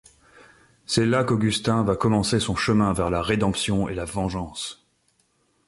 C'est là qu'Agustín va commencer son chemin vers la rédemption et la vengeance.